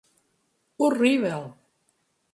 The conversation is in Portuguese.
Horrível.